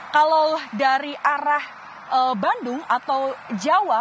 kalau dari arah bandung atau jawa